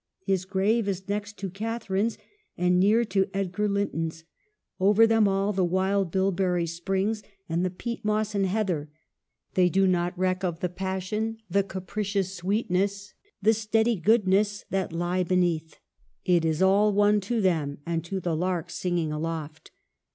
His grave is next to Cath arine's, and near to Edgar Linton's ; over them all the wild bilberry springs, and the peat moss 278 EMILY BRONTE. and heather. They do not reck of the passion, the capricious sweetness, the steady goodness, that lie underneath. It is all one to them and to the larks singing aloft.